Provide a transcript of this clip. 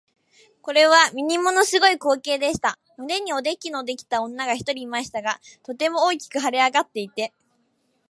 これは実にもの凄い光景でした。胸におできのできた女が一人いましたが、とても大きく脹れ上っていて、